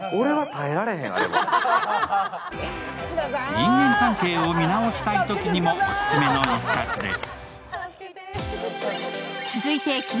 人間関係を見直したいときにもオススメの一冊です。